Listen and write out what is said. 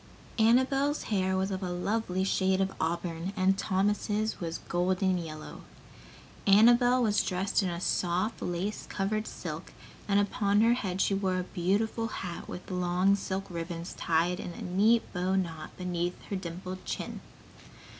Annabel's hair was of a lovely shade of auburn and Thomas' was golden yellow. Annabel was dressed in soft, lace covered silk and upon her head she wore a beautiful hat with long silk ribbons tied in a neat bow knot beneath her dimpled chin.